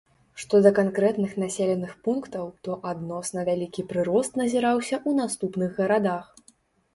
Што да канкрэтных населеных пунктаў, то адносна вялікі прырост назіраўся ў наступных гарадах.